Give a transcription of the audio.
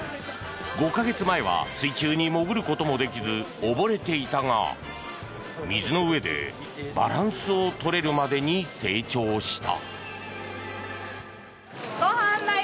５か月前は水中に潜ることもできず溺れていたが水の上でバランスを取れるまでに成長した。